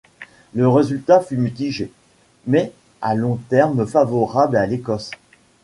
Le résultat fut mitigé, mais, à long terme, favorable à l'Écosse.